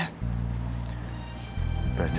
berarti lo mah nolong dia